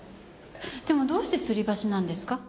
でもどうしてつり橋なんですか？